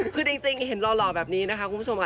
คือจริงเห็นหล่อแบบนี้นะคะคุณผู้ชมค่ะ